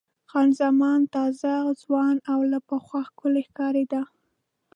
خان زمان تازه، ځوانه او له پخوا ښکلې ښکارېده.